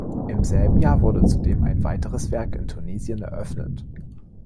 Im selben Jahr wurde zudem ein weiteres Werk in Tunesien eröffnet.